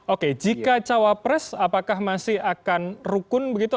oke jika cawapres apakah masih akan rukun begitu